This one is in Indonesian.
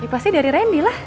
pasti dari randy lah